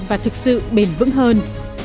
và thực sự bền vững hơn